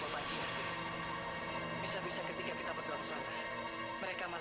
mane mba benji belum lama meninggal